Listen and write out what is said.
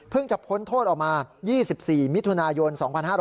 จะพ้นโทษออกมา๒๔มิถุนายน๒๕๕๙